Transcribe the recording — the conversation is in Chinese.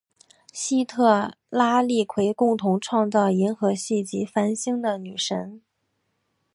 西特拉利奎共同创造银河系及繁星的女神。